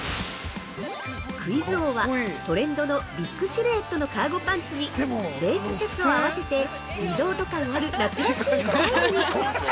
◆クイズ王はトレンドのビッグシルエットのカーゴパンツにレースシャツを合わせてリゾート感ある夏らしいスタイルに。